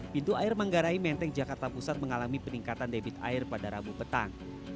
pintu air manggarai menteng jakarta pusat mengalami peningkatan debit air pada rabu petang